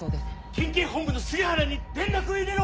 県警本部の杉原に連絡を入れろ！